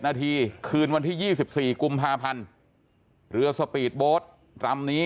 นาทีคืนวันที่ยี่สิบสี่กุมภาพันธ์เหลือสปีดโบ๊ทตรำนี้